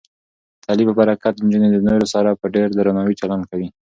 د تعلیم په برکت، نجونې د نورو سره په ډیر درناوي چلند کوي.